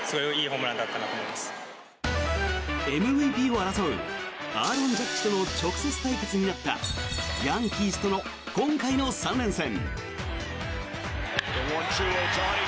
ＭＶＰを争うアーロン・ジャッジとの直接対決になったヤンキースとの今回の３連戦。